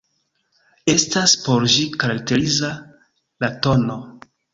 Estas por ĝi karakteriza la tn.